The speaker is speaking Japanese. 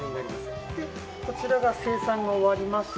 そしてこちらが生産が終わりました